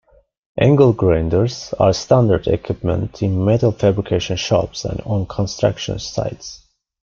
Angle grinders are standard equipment in metal fabrication shops and on construction sites.